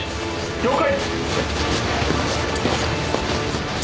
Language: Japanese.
了解！